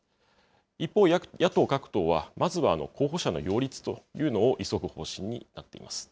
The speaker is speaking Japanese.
一方、野党各党はまずは候補者の擁立というのを急ぐ方針になっています。